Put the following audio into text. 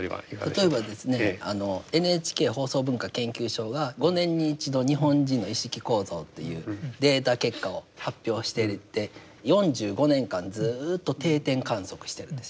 例えばですねＮＨＫ放送文化研究所が５年に一度日本人の意識構造というデータ結果を発表してて４５年間ずっと定点観測しているんです。